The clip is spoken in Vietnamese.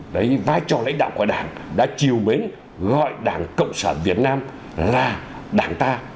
đấy vai trò lãnh đạo của đảng đã chiều bến gọi đảng cộng sản việt nam là đảng ta